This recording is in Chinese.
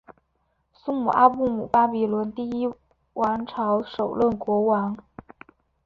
苏姆阿布姆巴比伦第一王朝首任国王。